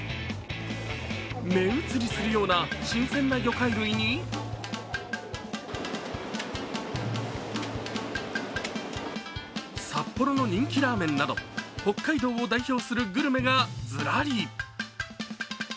目移りするような新鮮な魚介類に札幌の人気ラーメンなど北海道を代表するグルメがずらり。